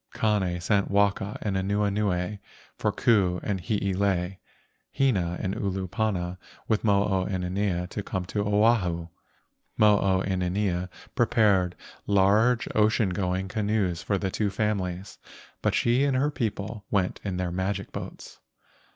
Kane sent Waka and Anuenue for Ku and Hiilei, Hina and Olopana with Mo o inanea to come to Oahu. Mo o inanea prepared large ocean going canoes for the two families, but she and her people went in their magic boats.